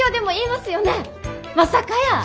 まさかやー。